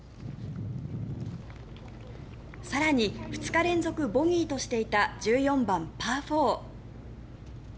更に、２日連続ボギーとしていた１４番、パー４。